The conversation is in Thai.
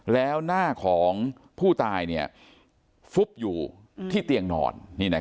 แล้วหน้าของผู้ตายฟุบอยู่ที่เตียงนอน